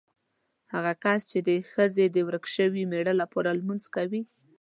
هغه کس چې د ښځې د ورک شوي مېړه لپاره لمونځ کوي.